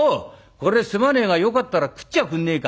これはすまねえがよかったら食っちゃおくんねえか？」。